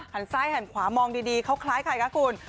หันใส่หันขวามองดีเขาคล้ายใครคะกูล